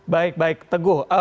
baik baik tengguh